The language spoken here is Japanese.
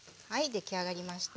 出来上がりました。